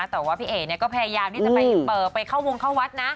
แต่ว่าพี่เอ๋ก็พยายามที่จะไปเข้าวงเข้าวัดนะ